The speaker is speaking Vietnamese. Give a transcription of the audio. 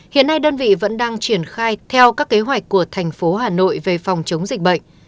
hiện nay đơn vị vẫn đang triển khai theo các kế hoạch của thành phố hà nội về phòng chống dịch bệnh